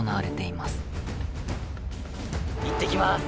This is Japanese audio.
いってきます。